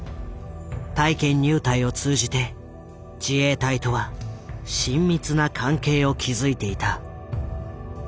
体験入隊を通じて自衛隊とは親密な関係を築いていた。